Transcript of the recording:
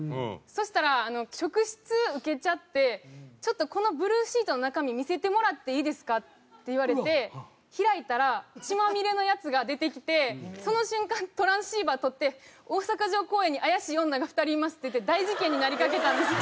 そしたら職質受けちゃって「ちょっとこのブルーシートの中身見せてもらっていいですか？」って言われて開いたら血まみれのやつが出てきてその瞬間トランシーバー取って「大阪城公園に怪しい女が２人います」って言って大事件になりかけたんです。